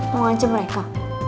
mau ngancep mereka